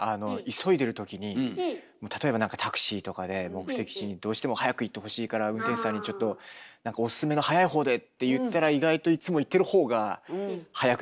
急いでる時に例えば何かタクシーとかで目的地にどうしても早く行ってほしいから運転手さんにちょっと何か「おすすめの早いほうで」って言ったら意外とあるねえ。